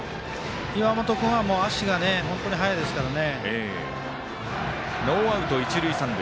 岩本君は、足が本当に速いですからね。